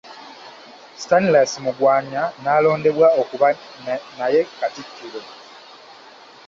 Stanislas Mugwanya n'alondebwa okuba naye Katikkiro.